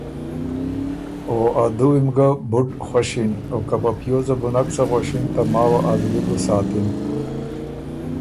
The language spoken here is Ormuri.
او ا دُوّي م ګه بُډ خؤشِن او که په پیوزه بو نک څه غؤݭِن ته ماوه ا زلی بو ساتِن۔